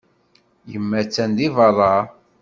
Yemma attan deg beṛṛa.